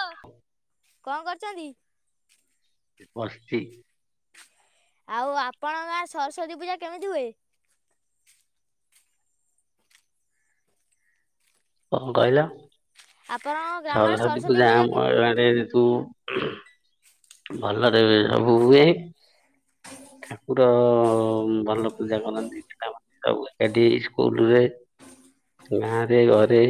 ହ୍ୟାଲ କଣ କରୁଛନ୍ତି? ବସିଛି। ଆଉ ଆପଣଙ୍କ ଗାଁ ସରସ୍ଵତୀ ପୂଜା କେମିତି ହୁଏ? କଣ କହିଲ ଆପଣଙ୍କ ଗ୍ରାମରେ ସରସ୍ଵତୀ ପୂଜା କେ ଆମ ଆଡେ ଯେ ତୁ ଭଲରେ ସବୁ ହୁଏ ଠାକୁର ଭଲ ପୂଜା କରନ୍ତି ସବୁ ଏକାଠି ସ୍କୁଲରେ ଗାଁ ରେ ଘରେ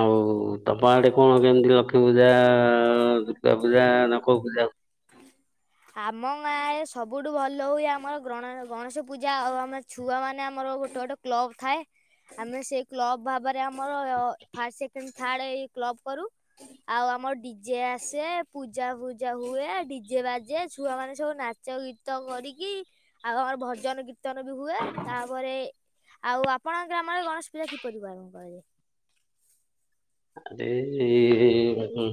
ଆଉ ତମ ଆଡ଼େ କଣ କେମିତି ଲକ୍ଷ୍ମୀ ପୂଜା ଦୁର୍ଗାପୂଜା ନା କଉ ପୂଜା ଆମ ଗାଁରେ ସବୁଠୁ ଭଲ ହୁଏ ଆମର ଗଣ ଗଣେଶ ପୂଜା ଆଉ ଆମର ଛୁଆ ମାନେ ଆମର ଗୋଟେ ଗୋଟେ କ୍ଲବ ଥାଏ ଆମେ ସେ କ୍ଲବ ଭାବରେ ଆମର ଫାଷ୍ଟ ସେକେଣ୍ଡ ଥାଡେ ଏଇ କ୍ଲବ କରୁ। ଆଉ ଆମର ଡିଜେ ଆସେ ପୂଜା ଫୂଜା ହୁଏ ଡିଜେ ବାଜେ। ଯେ ଛୁଆମାନେ ସବୁ ନାଚ ଗୀତ କରିକି ଆଉ ଆମର ଭଜନ ଗୀ କୀର୍ତ୍ତନ ବି ହୁଏ ତାପରେ ଆଉ ଆପଣଙ୍କ ଗ୍ରାମରେ ଗଣେଶ ପୂଜା କିପରି ପାଳନ କରାଯାଏ? ଆଦ ହଁ [inaudible]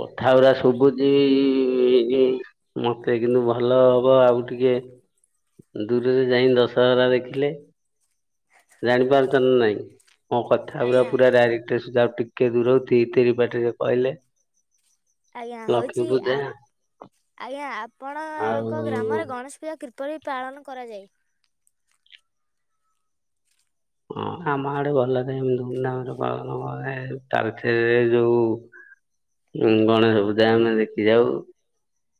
କଥା ଗୁରା ଶୁଭୁଛି ମତେ କିନ୍ତୁ ଭଲ ହବ ଆଉ ଟିକେ ଦୂରରେ ଯାଇ ଦଶହରା ଦେଖିଲେ। ଜାଣି ପାରୁଛ ନା ନାଇଁ ମୋ କଥା ଗୁଡା ଆଜ୍ଞା। ପୁରା ରାଇଟ। ସୁଧା ଟିକେ ଦୂର ହଉ ଥିରି ଥିରି ପାଟିରେ କହିଲେ। ଆଜ୍ଞା ଲକ୍ଷ୍ମୀ ହଉଛି ପୂଜା ଆ ଆଜ୍ଞା ଆଉ ଆପଣଙ୍କ ଗ୍ରାମରେ ଗଣେଶ ପୂଜା କିପରି ପାଳନ କରାଯାଏ? ହଁ ଆମ ଆଡେ ଭଲ ହୁଏ ଏମତି ଧୁମଧାମ ରେ ପାଳନ କରେ ଯୋଉ ଗଣେଶ ପୂଜା ଆମେ ଦେଖି ଯାଉ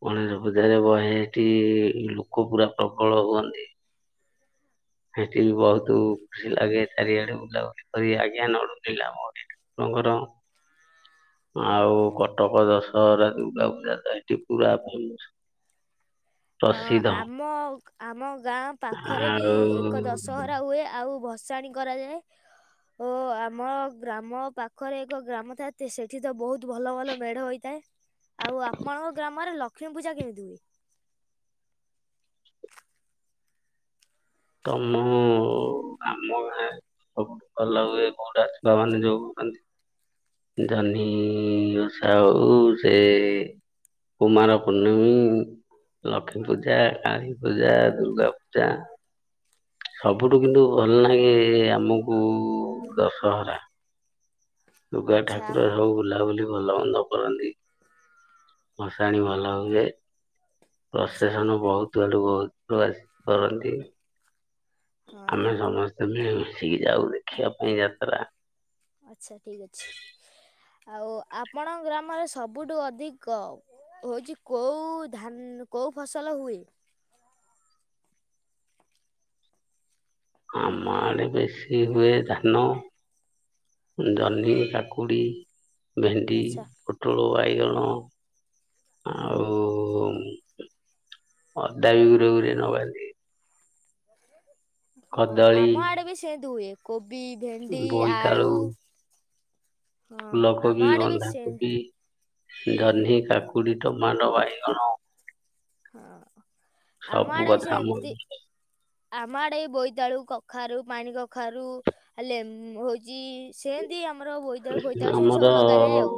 ଗଣେଶ ପୂଜାରେ ବହେ ଏଠି ଲୋକ ପୁରା ପ୍ରବଳ ହୁଅନ୍ତି। ସେଠି ବି ବହୁତ ଖୁସି ଲାଗେ ଚାରିଆଡେ ବୁଲାବୁଲି କରି ଆଜ୍ଞା ନଡୁନା ମୋ ଆପଣଙ୍କର? ଆଉ କଟକ ଦଶହରା ଦୁର୍ଗାପୂଜା ତ ସେଠି ପୁରା ଫେମସ [inaudible] ହଁ ଆମ ଆମ ଗାଁ ପାଖରେ ବି ଏକ ଆଉ ଦଶହରା ହୁଏ ଆଉ ଆଉ ଭସାଣି କରାଯାଏ। ଓ ଆମ ଗ୍ରାମ ପାଖରେ ଏକ ଗ୍ରାମ ଥାଏ ସେଠି ତ ବହୁତ ଭଲ ଭଲ ମେଢ ହୋଇଥାଏ। ଆଉ ଆପଣଙ୍କ ଗ୍ରାମରେ ଲକ୍ଷ୍ମୀ ପୂଜା କେମିତି ହୁଏ? ତମ ଆମ ଗାଁରେ ସବୁଠୁ ଭଲ ହୁଏ କୋଉଠା ଛୁଆ ମାନେ ଯୋଉ କରନ୍ତି ଜହ୍ନି ଓସା ହଉ ସେ କୁମାର ପୂର୍ଣ୍ଣମୀ ଲକ୍ଷ୍ମୀପୂଜା, କାଳୀପୂଜା, ଦୁର୍ଗାପୂଜା ସବୁଠୁ କିନ୍ତୁ ଭଲ ନାଗେ ଆମକୁ ଦଶହରା। ଦୁର୍ଗା ଆଚ୍ଛା ଠାକୁର ସବୁ ବୁଲାବୁଲି ଭଲମନ୍ଦ କରନ୍ତି। ଭସାଣି ଭଲ ହୁଏ ଆଚ୍ଛା ପ୍ରୋସେସନ ବହୁତ୍ ଆଡୁ ବହୁତ୍ ଆସି କରନ୍ତି ହଁ ଆମେ ସମସ୍ତେ ଆମେ ମସିକି ଯାଉ ଦେଖିବା ପାଇଁ ଯାତ୍ରା। ଆଚ୍ଛା ଠିକ୍ ଅଛି, ଆଉ ଆପଣଙ୍ ଗ୍ରାମରେ ସବୁଠୁ ଅଧିକ ହଉଛି କୋଉ ଧାନ୍ କୋଉ ଫସଲ ହୁଏ? ଆମ ଆଡେ ବେଶୀ ହୁଏ ଧାନ ଜହ୍ନି, କାକୁଡ଼ି, ଭେଣ୍ଡି, ଆଚ୍ଛା ପୋଟଳ, ବାଇଗଣ ହଁ। ଆଉ ଅଦା ବି ଉରେ ଉରେ ନବା ହଁ କଦଳୀ ଆମ ଆଡେ ବି ସେନ୍ତି ହୁଏ, କୋବି ଭେଣ୍ଡି, ଆଳୁ, ବୋଇତାଳୁ ହଁ ଆମ ଫୁଲକୋବି ଆଡେ ବି ସେ ବନ୍ଧାକୋବି ଜହ୍ନି, କାକୁଡି, ଟମାଣ୍ଡ, ବାଇଗଣ ହଁ ଆମ ସବୁ ଆଡ଼େ ବି କଥା ଆମ ସେନ୍ତି ଆମ ଆଡେ ଇ ବୋଇତାଳୁ, କଖାରୁ, ପାଣି କଖାରୁ, ଲେମ୍ ହଉଚି। ସେନ୍ତି ଆମର ବୋଇତାଳୁ ଫୋଇତାଳୁ ସେନ୍ତି ଆମର ସବୁ ଲଗାଯାଏ ଆଉ।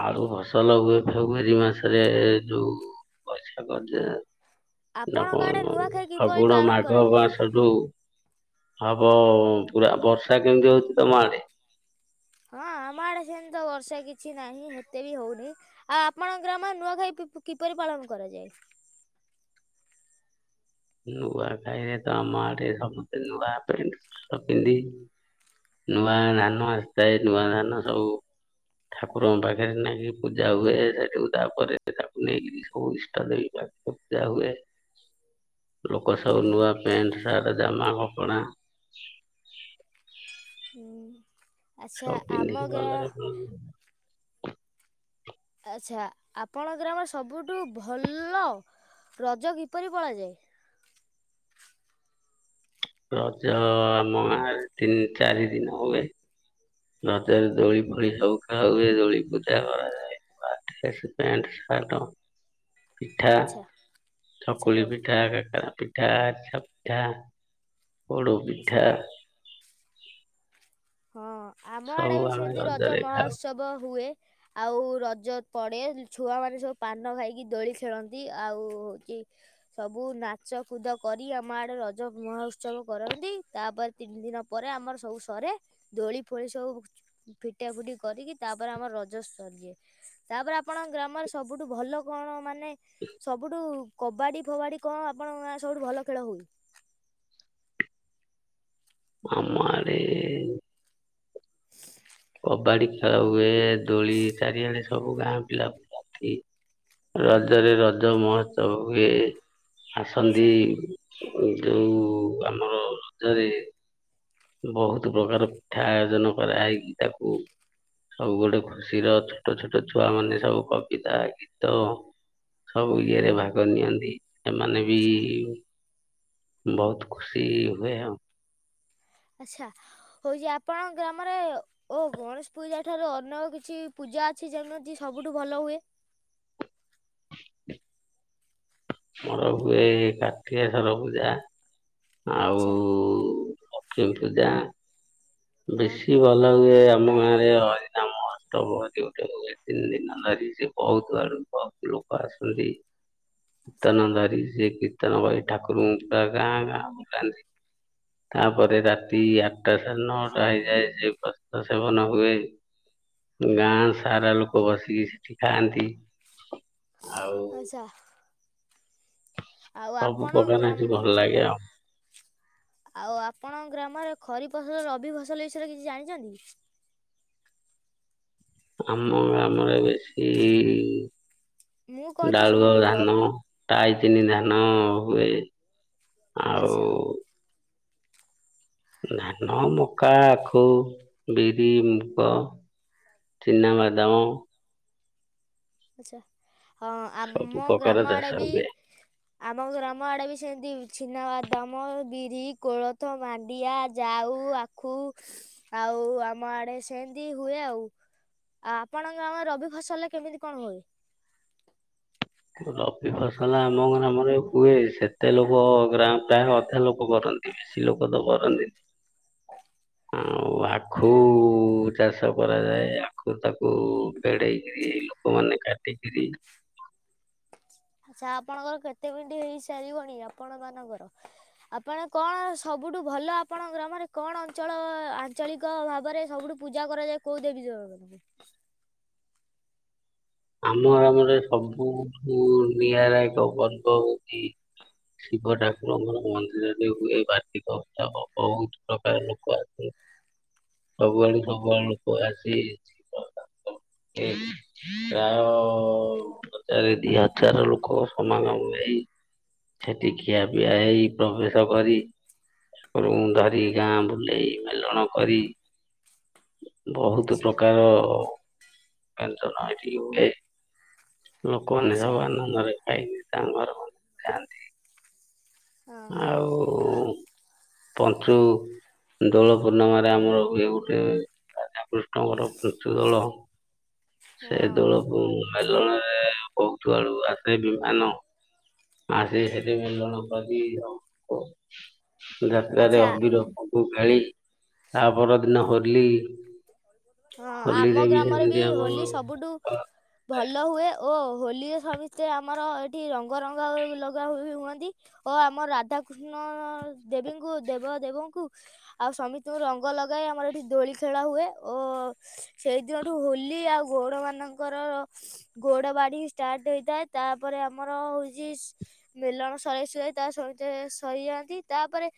ଆଳୁ ଫସଲ ହୁଏ ଫେବୃଆରୀ ମାସରେ ଯୋଉ ବଛା [unintelligible] ନା ଆପଣଙ୍କ ଆଡେ କଣ ନୂଆଖାଇ କିପରି ଫଗୁଣ, ପାଳନ ମାଘ କରାଯାଏ? ମାସ ଯୋଉ ହବ ପୁରା ବର୍ଷା କେମିତି ହଉଚି ତମ ଆଡେ? ହଁ ଆମ ଆଡେ ସେନ୍ତି ତ ବର୍ଷା କିଛି ନାହିଁ ହେତେ ବି ହଉନି। ଆଉ ଆପଣଙ୍କ ଗ୍ରାମ ନୂଆଖାଇ କିପରି ପାଳନ କରାଯାଏ? ନୂଆ ଖାଇରେ ତ ଆମ ଆଡେ ସମସ୍ତେ ନୂଆ ପ୍ୟାଣ୍ଟ ସ ପିନ୍ଧି ନୂଆ ଧାନ ଆସିତାଏ ନୂଆ ଧାନ ସବୁ ଠାକୁରଙ୍କ ପାଖରେ ନେଇକି ପୂଜା ହୁଏ, ସେଠିକୁ ତାପରେ ତାକୁ ନେଇକିରି ସବୁ ଇଷ୍ଟ ଦେବି ପାଖେରେ ଜା ହୁଏ। ଲୋକ ସବୁ ନୂଆ ପ୍ୟାଣ୍ଟ, ସାର୍ଟ, ଜାମା କପଡ଼ା ହୁଁ ଆଛା ସବୁ ପିନ୍ଧିକି ଆମ ଗାଁ ଭଲରେ ଆଚ୍ଛା ଆପଣ ଗ୍ରାମ ସବୁଠୁ ଭଲ ରଜ କିପରି ପଳାଯାଏ? ରଜ ଆମ ଗାଁରେ ତିନି ଚାରି ଦିନ ହୁଏ। ରଜରେ ଦୋଳି ଫୋଳି ସବୁ ଖେଳ ହଏ, ଦୋଳି ପୂଜା କରାଯାଏ। ନୂଆ ଡ୍ରେସ୍ ପ୍ୟାଣ୍ଟ, ଶାର୍ଟ ପିଠା, ଆଚ୍ଛା ଆଚ୍ଛା ଚକୁଳି ହଉ ପିଠା, କାକେରା ପିଠା, ଆରିସା ପିଠା ପୋଡ଼ ଆଚ୍ଛା ପିଠା ହଁ ଆମଆଡେ ସବୁ ବି ଆମେ ସେନ୍ତି ରଜ ରଜରେ ଖାଉ ମହୋତ୍ସବ ହୁଏ। ଆଉ ରଜ ପଡ଼େ ଛୁଆମାନେ ସବୁ ପାନ ଖାଇକି ଦୋଳି ଖେଳନ୍ତି, ଆଉ ଚି ସବୁ ନାଚ କୁଦ କରି ଆମ ଆଡେ ରଜ ମହୋତ୍ସବ କରନ୍ତି, ତାପରେ ତିନି ଦିନ ପରେ ଆମର ସବୁ ସରେ ଦୋଳି ଫୋଳି ସବୁ ଫିଟା ଫୁଟି କରିକି ତାପରେ ଆମର ରଜ ସରିଯାଏ। ତାପରେ ଆପଣଙ୍କ ଗ୍ରାମରେ ସବୁଠୁ ଭଲ କଣ ମାନେ ସବୁଠୁ କବାଡି ଫବାଡି କଣ ଆପଣଙ୍କ ଗାଁରେ ସବୁଠୁ ଭଲ ଖେଳ ହୁଏ? ଆମା ରେ କବାଡ଼ି ଖେଳ ହୁଏ ଦୋଳି ଚାରିଆଡେ ସବୁ ଗାଁ ପିଲା [unintelligible] ରଜରେ ରଜ ମହୋତ୍ସବ ହୁଏ। ଆସନ୍ତି ଆଚ୍ଛା ଯୋଉ ଆମର ରଜରେ ବହୁତ ପ୍ରକାର ପିଠା ଆୟୋଜନ କରା ହେଇକି ତାକୁ ସବୁ ଗୋଟେ ଖୁସିର ଛୋଟ ଛୋଟ ଛୁଆ ମାନେ ସବୁ କବିତା ଗୀତ। ସବୁ ଇଏରେ ଭାଗ ନିଅନ୍ତି। ଏମାନେ ବି ଆଚ୍ଛା। ବହୁତ ଖୁସି ହୁଏ ଆଉ। ଆଚ୍ଛା ହେଉଛି ଆପଣ ଗ୍ରାମରେ ଓ ଗଣେଶ ପୂଜା ଠାରୁ ଅନ୍ୟ କିଛି ପୂଜା ଅଛି ଯେମିତିତି ସବୁଠୁ ଭଲ ହୁଏ? [inaudible] ମୋର ହୁଏଇ କାର୍ତ୍ତିକେସ୍ୱର ପୂଜା। ଆଉ ଆଚ୍ଛା ଲକ୍ଷ୍ମୀ ପୂଜା। ହଁ ବେଶୀ ଭଲ ଏ ଆମ ଗାଁ ରେ ହରିନାମ [unintelligible] ଆଚ୍ଛା ତନଧାରୀ ସେ କିର୍ତ୍ତନ ଭାଇ ଠାକୁରଙ୍କୁ ପୁରା ଗାଁ ଗାଁ। ତାପରେ ରାତି ଆଠଟା ସାଢେ ନଅଟା ହେଇଯାଏ ସେ ତ ସେବନ ହୁଏ। ଗାଁ ସାରା ଲୋକ ବସିକି ସେଠି ଖାଆନ୍ତି, ଆଉ [unintelligible] ଆଉ ଆପଣ [unintelligible] ଗ୍ରାମ ଭଲ ଲାଗେ ଆଉ। ଆଉ ଆପଣଙ୍କ ଗ୍ରାମରେ ଖରି ଫସଲ, ରବି ଫସଲ ବିଷୟରେ କିଛି ଜାଣିଛନ୍ତି? ଆମ ଗ୍ରାମରେ ବେଶୀ ମୁଁ କହୁଛି ଡାଳୁଅ ଶୁଣନ୍ତୁ ର ଧାନ ଟାଇ ସିନି ଧାନ ହୁଏ। ଆଉ ଆଚ୍ଛା। ଧାନ, ମକା, ଆଖୁ, ବିରି, ମୁଗ ଚିନାବାଦମ ଆଛା, ହଁ ସବୁ ଆମ ପ୍ରକାର ଗ୍ରାମ ଆଡ଼େ ଚାଷ ବି ହୁଏ ଆମ ଗ୍ରାମ ଆଡ଼େ ବି ସେମିତି ଛିନାବାଦମ, ବିରି, କୋଳଥ, ମାଣ୍ଡିଆ, ଜାଉ, ଆ ଖୁ ଆଉ ଆମ ଆଡେ ସେମତି ହୁଏ ଆଉ। ଆ ଆପଣଙ୍କ ଗ୍ରାମରେ ରବି ଫସଲରେ କେମିତି କଣ ହୁଏ? ରବି ଫସଲ ଆମ ଗ୍ରାମରେ ହୁଏ, ସେ ଏତେ ଲୋକ ଗ୍ରାମ ପ୍ରାୟ ଅଧା ଲୋକ କରନ୍ତି ବେଶୀ ଲୋକ ତ କରନ୍ତିନି। ଆଉ ଆଖୁ ଚାଷ କରାଯାଏ, ଆଖୁରୁ ତାକୁ ବେଡ଼େଇକରି ଲୋକମାନେ କାଟିକରି ଆଚ୍ଛା ଆପଣଙ୍କର କେତେ ବିଣ୍ଡି ହେଇ ସାରିବନି ଆପଣ ମାନଙ୍କର? ଆପଣ କଣ ସବୁଠୁ ଭଲ ଆପଣଙ୍କ ଗ୍ରାମରେ କଣ ଅଞ୍ଚଳ ଆଞ୍ଚଳିକ ଭାବରେ ସବୁଠୁ ପୂଜା କରାଯାଏ କୋଉ ଦେଵୀ। [unintelligible] ଆମ ଗ୍ରାମରେ ସବୁଠୁ ନିଆରା ଏକ ପର୍ବ ହଉଛି ଶିବ ଠାକୁରଙ୍କର ମନ୍ଦିରରେ ହୁଏ ବାର୍ଷିକ ଉତ୍ସବ। ବହୁତ ପ୍ରକାର ଲୋକ ଆସନ୍ତି। ସବୁଆଡୁ ସବୁଆଡୁ ଲୋକ ଆସି [inaudible] ପ୍ରାୟ ହଜାର ଦି ହଜାର ଲୋକ ସମାନଙ୍କୁ [unintelligible] ସେଠି ଖିଆ ପିଆ ହେଇ ପ୍ରବେଶ କରି ରୁମ୍ ଧରି ଗାଁ ବୁଲେଇ ମେଲଣ କରି ବହୁତ ଆଚ୍ଛା ପ୍ରକାର ମେଲଣ ଏଠି ହୁଏ ଲୋକମାନେ ଆଚ୍ଛା ସବୁ ଆନନ୍ଦରେ ଖାଇକି ତାଙ୍କ ଘର ମାନଙ୍କୁ ଯାଆନ୍ତି। ଆ ଆ ଆଉ ପଞ୍ଚୁ ଦୋଳ ପୂର୍ଣ୍ଣିମାରେ ଆମର ହୁଏ ଗୋଟେ ରାଧାକୃଷ୍ଣ ଆମର [unintelligible] ଦୋଳ ସେ ହଁ ଦୋଳ [unintelligible] ମେଲଣ ରେ ବହୁତ ଆଡୁ ଆସେ ବିମାନ। ଆସି ସେଠି ମେଲଣ କରି [unintelligible] ଯାତ୍ରା ରେ ଆଚ୍ଛା ଅବିର ଫଗୁ ଖେଳି ତା ପରଦିନ ହଁ। ହୋଲି ହଁ ହୋଲିରେ ଆମ ଗ୍ରାମରେ ସେମିତି ବି ଆମର ହୋଲି ସବୁଠୁ ଭଲ ହୁଏ ଓ ହୋଲିରେ ସମିସ୍ତେ ଆମର ଏଠି ରଙ୍ଗରଙ୍ଗା ଲଗା ଲଗି ହୁଅନ୍ତି। ଓ ଆମ ରାଧାକୃଷ୍ଣ ଦେବୀଙ୍କୁ ଦେବ ଦେବଙ୍କୁ ଆଉ ସମିସ୍ତିଙ୍କୁ ରଙ୍ଗ ଲଗାଏ ଆମର ଏଠି ଦୋଳି ଖେଳା ହୁଏ। ଓ ସେଇଦିନଠୁ ହୋଲି ଆଉ ଗଉଡ଼ ମାନଙ୍କର ଗୋଉଡ ବାଡି ଷ୍ଟାର୍ଟ ହେଇଥାଏ ତାପରେ ଆମର ହଉଛି ସ ମେଲଣ ସରାଇ ଶୁଆଇ ତା ସହିତେ ସହିଯାଆନ୍ତି ତାପରେ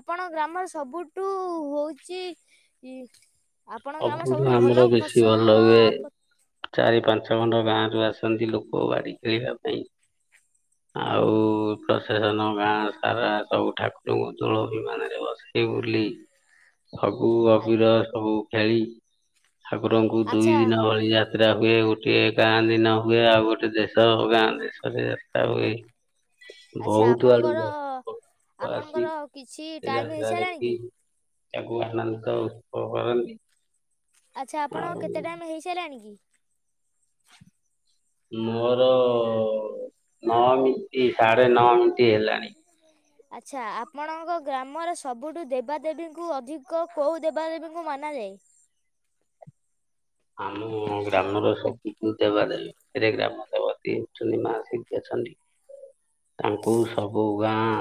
ଆପଣଙ୍କ ଗ୍ରାମରେ ସବୁଟୁ ହୋଉଚି ଇ ଆପଣଙ୍କ ଗ୍ରାମ ଅବୁଧ ସବୁଠୁ ଭଲ ଆମର ବେଶୀ ଭଲ ଫସଲ ହୁଏ। ଚାରି ପାଞ୍ଚ ଖଣ୍ଡ ଗାଁରୁ ଆସନ୍ତି ଲୋକ ବାଡ଼ି ଖେଳିବା ପାଇଁ। ଆଉ ପ୍ରଶାସନ ଗାଁ ସାରା ସବୁ ଠାକୁରଙ୍କୁ ଦୋଳ ବିମାନରେ ବସେ ଏଉଲି ଫଗୁ ଅବିର ସବୁ ଖେଳି ଠାକୁରଙ୍କୁ ଦୁଇ ଆଚ୍ଛା ଦିନ ଭଳି ଯା ଯାତ୍ରା ହୁଏ ଗୋଟେ ଗାଁ ଦିନ ହୁଏ ଆଉ ଗୋଟେ ଦେଶ ଗାଁ ଦେଶରେ ଯାତ୍ରା ହୁଏ। ଆଚ୍ଛା ବହୁତ ଆଡୁ ଆପଣଙ୍କର [unintelligible] ଲୋକ ଆସି ଆପଣଙ୍କର କିଛି ଏଇ ଟାଇମ୍ ଯାତ୍ରା ହେଇସାରିଲାଣି ଦେଖି କି? ତାକୁ ଆନନ୍ଦ ଉତ୍ସବ କରନ୍ତି। ଆଚ୍ଛା ଆପଣଙ୍କ ଆଉ କେତେ ଟାଇମ୍ ହେଇସାରିଲାଣି କି? ମୋର ନଅ ମିଣ୍ଟି ସାଢ଼େ ନଅ ମିଣ୍ଟି ହେଲାଣି। ଆଚ୍ଛା ଆପଣଙ୍କ ଗ୍ରାମର ସବୁଠୁ ଦେବାଦେବୀଙ୍କୁ ଅଧିକ କେଉଁ ଦେବାଦେବୀଙ୍କୁ ମନାଯାଏ। ଆମ ଗ୍ରାମର ସବୁ [unintelligible] ଦେବା ଦେବି ସେଠାରେ ଗ୍ରାମ ଦେବତୀ ହେଉଚନ୍ତି ମା ଶିରକା ଚଣ୍ଡୀ। ତାଙ୍କୁ ସବୁ ଗାଁ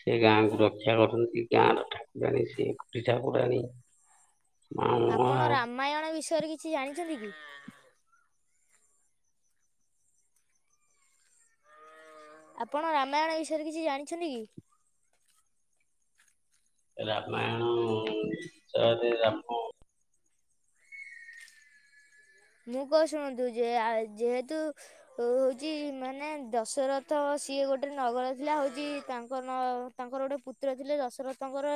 ସେ ଗାଁକୁ ରକ୍ଷା କରୁଛନ୍ତି। ସେ ଗାଁ ର ଠାକୁରାଣୀ ସେ [unintelligible] ଠାକୁରାଣୀ। ମା ମଙ୍ଗଳା ଆପଣ ରାମାୟଣ ବିଷୟରେ କିଛି ଜାଣିଛନ୍ତି କି? ଆପଣ ରାମାୟଣ ବିଷୟରେ କିଛି ଜାଣିଛନ୍ତି କି? ରାମାୟଣ ଚରେ ରାମ ମୁଁ କ ଶୁଣନ୍ତୁ ଯେଆ ଯେହେତୁ ଓ ହଉଛି ମାନେ ଦଶରଥ ସିଏ ଗୋଟେ ନଗର ଥିଲା ହଉଛି ତାଙ୍କ ନ ତାଙ୍କର ଗୋଟେ ପୁତ୍ର ଥିଲେ ଦଶରଥଙ୍କର